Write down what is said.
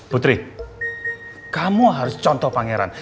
putri kamu harus contoh pangeran